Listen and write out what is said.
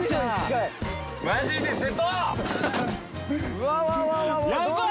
うわうわ！